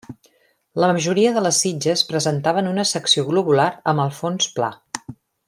La majoria de les sitges presentaven una secció globular amb el fons pla.